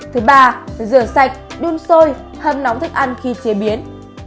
thứ ba rửa sạch đun sôi hâm nóng thức ăn khi chế biến